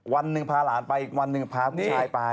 วันหนึ่งพาหลานไปอีกวันหนึ่งพาผู้ชายไป